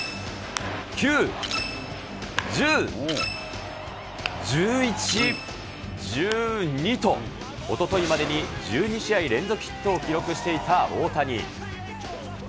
９、１０、１１、１２と、おとといまでに１２試合連続ヒットを記録していた大谷。